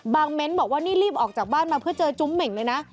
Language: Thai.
เม้นต์บอกว่านี่รีบออกจากบ้านมาเพื่อเจอจุ้มเหม่งเลยนะ